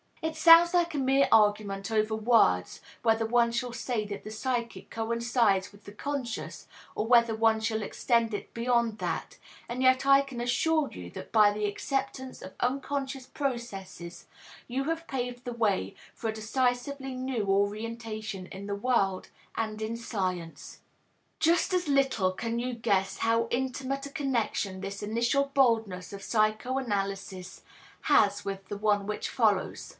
It sounds like a mere argument over words whether one shall say that the psychic coincides with the conscious or whether one shall extend it beyond that, and yet I can assure you that by the acceptance of unconscious processes you have paved the way for a decisively new orientation in the world and in science. Just as little can you guess how intimate a connection this initial boldness of psychoanalysis has with the one which follows.